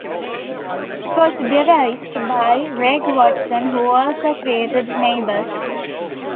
It was devised by Reg Watson who also created "Neighbours".